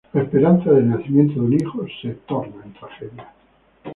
La esperanza del nacimiento de un hijo se torna en tragedia.